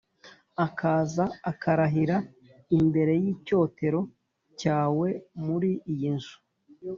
akaza akarahirira imbere y’icyotero cyawe muri iyi nzu